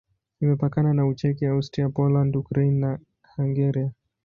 Imepakana na Ucheki, Austria, Poland, Ukraine na Hungaria.